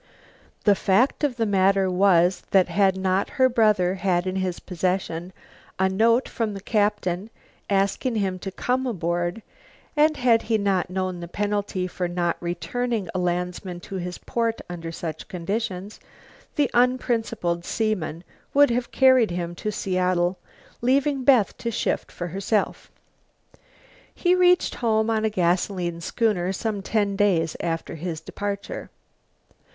The fact of the matter was that had not her brother had in his possession a note from the captain asking him to come aboard, and had he not known the penalty for not returning a landsman to his port under such conditions, the unprincipled seaman would have carried him to Seattle, leaving Beth to shift for herself. He reached home on a gasoline schooner some ten days after his departure.